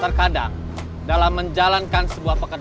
terkadang dalam menjalankan sebuah pekerjaan